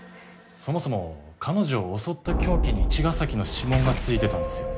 そもそも彼女を襲った凶器に茅ヶ崎の指紋がついてたんですよね